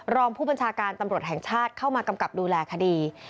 รองผู้บัญชาการตำรวจแห่งชาติเข้ามากำกับดูแลคดี